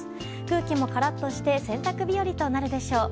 空気もカラッとして洗濯日和となるでしょう。